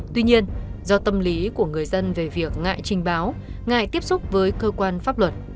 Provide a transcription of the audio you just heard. tuy nhiên do tâm lý của người dân về việc ngại trình báo ngại tiếp xúc với cơ quan pháp luật